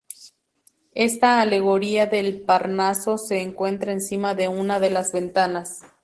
Esta alegoría del Parnaso se encuentra encima de una de las ventanas.